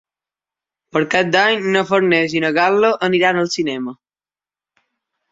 Per Cap d'Any na Farners i na Gal·la aniran al cinema.